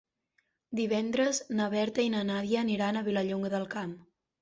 Divendres na Berta i na Nàdia aniran a Vilallonga del Camp.